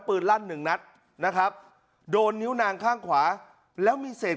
ลั่นหนึ่งนัดนะครับโดนนิ้วนางข้างขวาแล้วมีเศษ